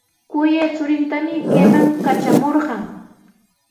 Kuyay churintami kayman katramurqan.